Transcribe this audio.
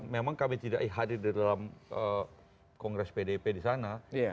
memang kami tidak hadir di dalam kongres pdp disana